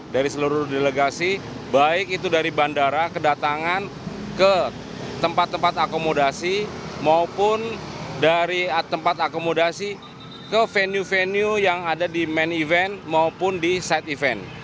dari seluruh delegasi baik itu dari bandara kedatangan ke tempat tempat akomodasi maupun dari tempat akomodasi ke venue venue yang ada di main event maupun di side event